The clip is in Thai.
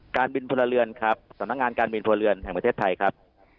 การบินพลเรือนครับสำนักงานการบินพลเรือนแห่งประเทศไทยครับ